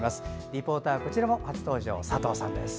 リポーターは、こちらも初登場佐藤さんです。